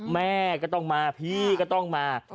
แม่ก็ต้องมาพี่ก็ต้องมา